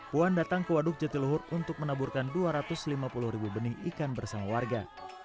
puan datang ke waduk jatiluhur untuk menaburkan dua ratus lima puluh ribu benih ikan bersama warga